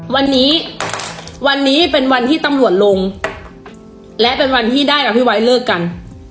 วันนี้วันนี้เป็นวันที่ตำรวจลงและเป็นวันที่ได้กับพี่ไว้เลิกกัน